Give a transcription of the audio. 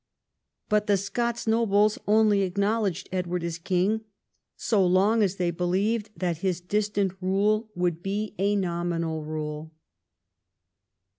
But the Scots nobles only acknowledged Edward as king so long as they believed that his distant rule would be a nominal rule.